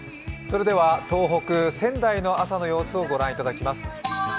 東北・仙台の朝の様子を御覧いただきます。